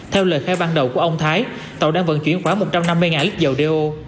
theo lời khai ban đầu của ông thái tàu đang vận chuyển khoảng một trăm năm mươi lít dầu đeo